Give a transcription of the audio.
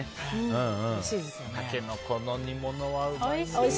タケノコの煮物はうまいよね。